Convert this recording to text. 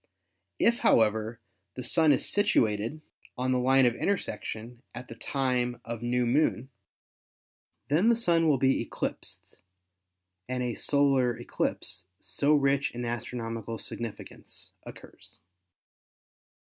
If, however, the Sun is situated on the line of intersection at the time of new moon, then the Sun will be eclipsed, and a solar eclipse so rich in astronomical significance occurs.